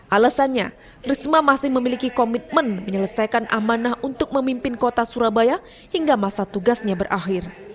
alasannya risma masih memiliki komitmen menyelesaikan amanah untuk memimpin kota surabaya hingga masa tugasnya berakhir